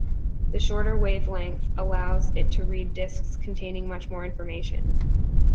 The shorter wavelength allows it to read discs containing much more information.